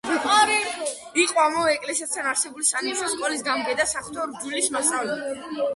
იყო ამავე ეკლესიასთან არსებული სანიმუშო სკოლის გამგე და საღვთო რჯულის მასწავლებელი.